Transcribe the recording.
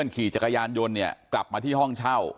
ขี่จักรยานยนต์เนี่ยกลับมาที่ห้องเช่า